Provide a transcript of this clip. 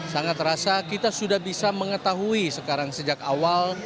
sangat terasa kita sudah bisa mengetahui sekarang sejak awal